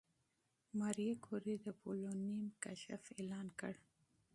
ماري کوري د پولونیم کشف اعلان کړ.